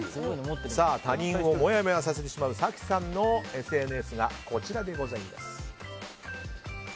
他人をもやもやさせてしまう早紀さんのＳＮＳがこちらでございます。